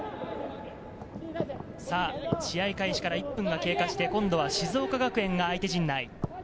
試合開始から１分が経過して、今度は静岡学園が相手陣内。